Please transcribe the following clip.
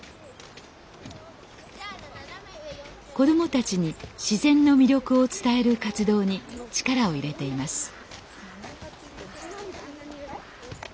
子供たちに自然の魅力を伝える活動に力を入れています